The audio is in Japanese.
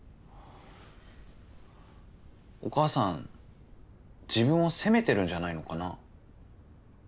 お母さん自分を責めてるんじゃないのかな？